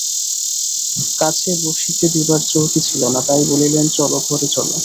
কাছে বসিতে দিবার চৌকি ছিল না, তাই বলিলেন, চলো, ঘরে চলো।